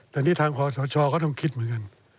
แต่ที่ทางความต่อช่อก็ต้องคิดเหมือนกัน